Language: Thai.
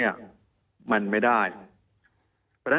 มีความรู้สึกว่ามีความรู้สึกว่า